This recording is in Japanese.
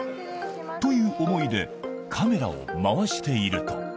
という思いでカメラを回していると。